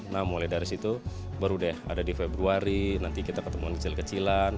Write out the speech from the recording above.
nah mulai dari situ baru deh ada di februari nanti kita ketemuan kecil kecilan